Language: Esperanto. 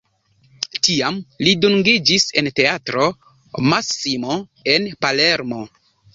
Tiam li dungiĝis en Teatro Massimo en Palermo.